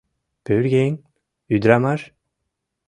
— Пӧръеҥ, ӱдырамаш?